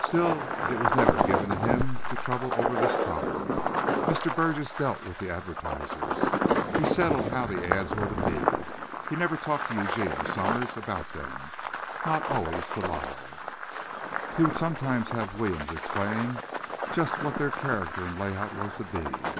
Still it was never given to him to trouble over this problem. Mr. Burgess dealt with the advertisers. He settled how the ads were to be. He never talked to Eugene or Summers about them, not always to Lyle. He would sometimes have Williams explain just what their character and layout was to be.